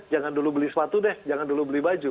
jangan dulu beli sepatu deh jangan dulu beli baju